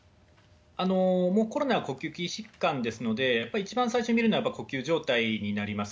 もうコロナは呼吸器疾患ですので、やっぱり一番最初に診るのはやっぱり呼吸状態になります。